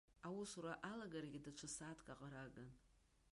Аусура алагарагьы даҽа сааҭк аҟара агын.